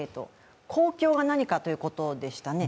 公共が何かということでしたね。